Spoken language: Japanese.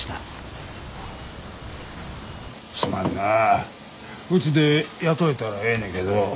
すまんなうちで雇えたらええねけど。